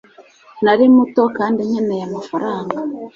nari muto kandi nkeneye amafaranga